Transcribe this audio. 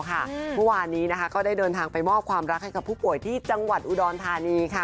อยู่แล้วค่ะมือวานนี้นะคะก็ได้เดินทางไปมอบความรักให้กับผู้ป่วยที่จังหวัดอุดรฐานีค่ะ